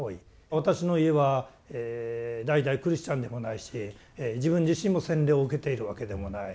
私の家は代々クリスチャンでもないし自分自身も洗礼を受けているわけでもない。